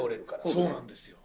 そうなんですよ。